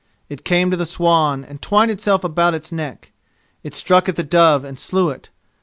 It came to the swan and twined itself about its neck. It struck at the dove and slew it.